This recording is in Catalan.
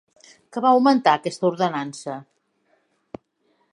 Què va augmentar aquesta ordenança?